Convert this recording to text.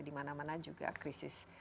di mana mana juga krisis